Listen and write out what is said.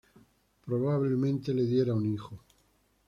Probablemente le diera un hijo.